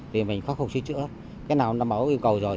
thì mình khóc không sửa chữa hết cái nào nó đảm bảo yêu cầu rồi